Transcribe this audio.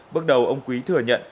bước đầu ông quý thừa nhận